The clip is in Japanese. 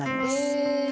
へえ。